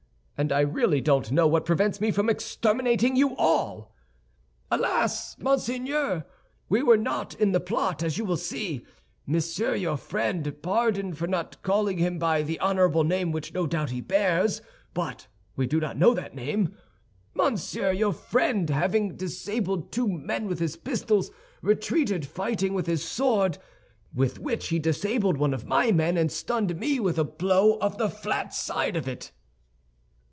And I really don't know what prevents me from exterminating you all." "Alas, monseigneur, we were not in the plot, as you will soon see. Monsieur your friend (pardon for not calling him by the honorable name which no doubt he bears, but we do not know that name), Monsieur your friend, having disabled two men with his pistols, retreated fighting with his sword, with which he disabled one of my men, and stunned me with a blow of the flat side of it."